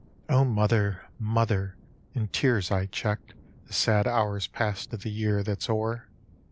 mother, mother, in tears I checked tfie sad hours past of the year that's o'er.